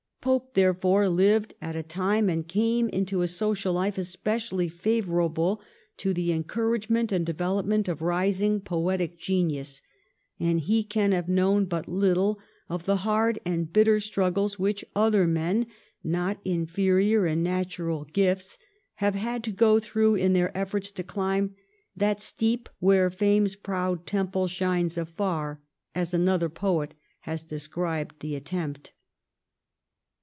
Pope therefore lived at a time and came into a social life especially favourable to the encouragement and development of rising poetic genius, and he can have known but little of the hard and bitter struggles which other men, not inferior in natural gifts, have had to go through in their efforts to climb that ' steep where fame's proud temple shines afar,' as another poet has described the attempt.